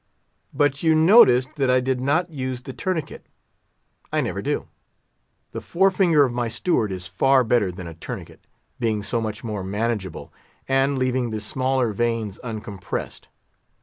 But you noticed that I did not use the tourniquet; I never do. The forefinger of my steward is far better than a tourniquet, being so much more manageable, and leaving the smaller veins uncompressed.